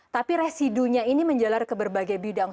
tapi residunya ini menjelar ke berbagai bidang